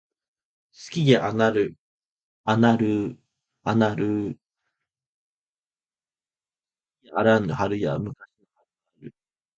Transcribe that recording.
月やあらぬ春や昔の春ならぬ